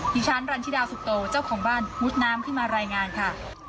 ดิฉันรันชิดาสุโตเจ้าของบ้านมุดน้ำขึ้นมารายงานค่ะ